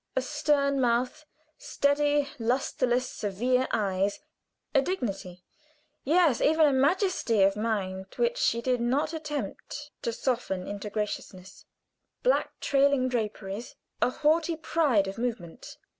A stern mouth steady, lusterless, severe eyes, a dignity yes, even a majesty of mien which she did not attempt to soften into graciousness; black, trailing draperies; a haughty pride of movement.